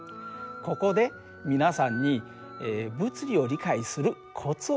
ここで皆さんに物理を理解するコツを教えましょう。